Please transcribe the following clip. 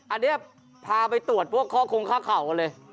อันนี้พาไปตรวจพวกข้อคงค่าเข่ากันเลย